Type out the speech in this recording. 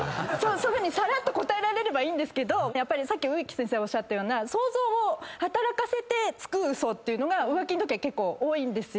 そういうふうにさらっと答えられればいいけどさっき植木先生がおっしゃったような想像を働かせてつくウソが浮気のときは結構多いんですよ。